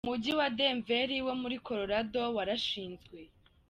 Umujyi wa Denver wo muri Colorado warashinzwe.